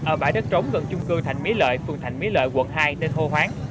ở bãi đất trống gần chung cư thạnh mỹ lợi phường thạnh mỹ lợi quận hai tên hô hoáng